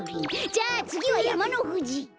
じゃあつぎはやまのふじ！